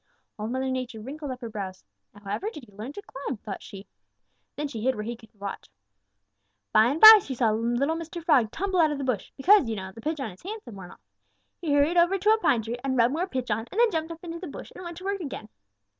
Old Mother Nature wrinkled up her brows. 'Now however did he learn to climb?' thought she. Then she hid where she could watch. By and by she saw little Mr. Frog tumble out of the bush, because, you know, the pitch on his hands had worn off. He hurried over to a pine tree and rubbed more pitch on and then jumped up into the bush and went to work again.